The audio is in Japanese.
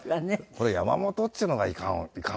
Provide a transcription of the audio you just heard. これ「山本」っていうのがいかんわって。